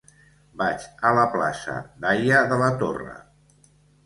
Vaig a la plaça d'Haya de la Torre.